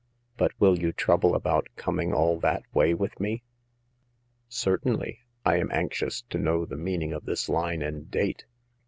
But will you trouble about coming all that way with me ?"" Certainly ! I am anxious to know the mean ing of this line and date.